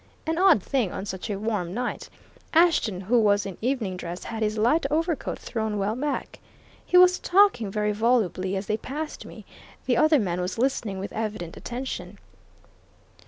An odd thing, on such a warm night Ashton, who was in evening dress, had his light overcoat thrown well back. He was talking very volubly as they passed me the other man was listening with evident attention."